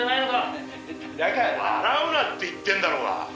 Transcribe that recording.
笑うなって言ってんだろうが！